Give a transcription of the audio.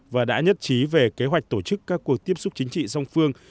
và đã nhất trí về kế hoạch tổ chức các cuộc tiếp xúc chính trị song phương